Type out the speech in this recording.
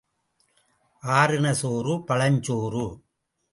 ஆறின சோறு பழஞ் சோறு.